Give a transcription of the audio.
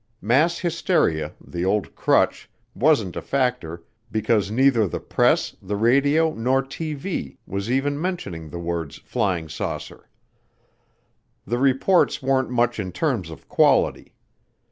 Mass hysteria, the old crutch, wasn't a factor because neither the press, the radio nor TV was even mentioning the words "flying saucer." The reports weren't much in terms of quality.